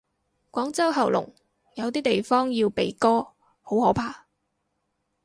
廣州喉嚨，有啲地方要鼻哥，好可怕。